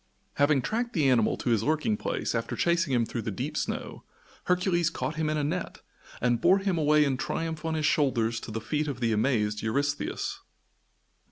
Having tracked the animal to his lurking place after chasing him through the deep snow, Hercules caught him in a net and bore him away in triumph on his shoulders to the feet of the amazed Eurystheus.